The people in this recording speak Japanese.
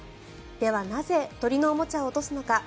では、なぜ鳥のおもちゃを落とすのか。